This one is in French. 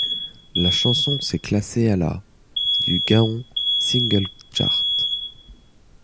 La chanson s'est classée à la du Gaon Singles Chart.